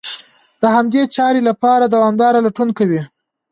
د همدې چارې لپاره دوامداره لټون کوي.